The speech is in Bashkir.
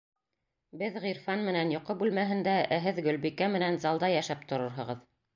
Беҙ Ғирфан менән йоҡо бүлмәһендә, ә һеҙ Гөлбикә менән залда йәшәп торорһоғоҙ.